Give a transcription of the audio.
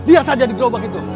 dia saja yang berubah itu